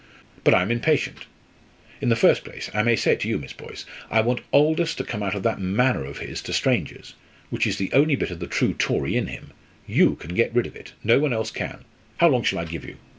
But I am impatient! In the first place I may say it to you, Miss Boyce! I want Aldous to come out of that manner of his to strangers, which is the only bit of the true Tory in him; you can get rid of it, no one else can How long shall I give you?